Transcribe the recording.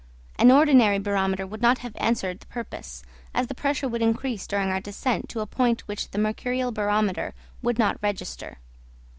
An ordinary barometer would not have answered the purpose, as the pressure would increase during our descent to a point which the mercurial barometer would not register.